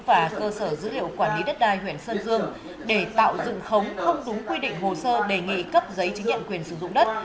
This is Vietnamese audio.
và cơ sở dữ liệu quản lý đất đai huyện sơn dương để tạo dựng khống không đúng quy định hồ sơ đề nghị cấp giấy chứng nhận quyền sử dụng đất